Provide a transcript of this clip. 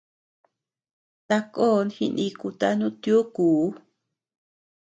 Takon jinikuta nutiukuu.